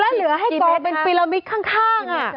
แล้วเหลือให้กล่องเป็นปีระมิดข้างอ่ะ